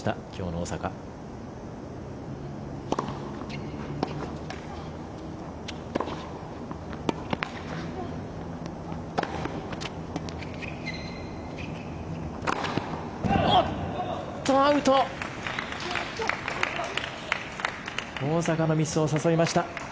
大坂のミスを誘いました。